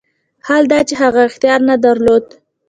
حال دا چې هغه اختیار نه درلود.